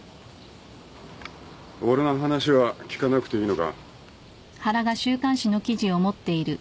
俺の話は聞かなくていいのか？